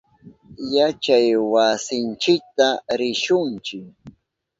Yachaywasinchita rishunchi.